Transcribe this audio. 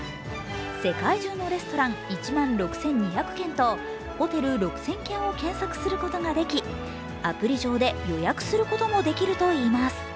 世界中のレストラン１万６２００軒とホテル６０００軒を検索することができ、アプリ上で予約することもできるといいます。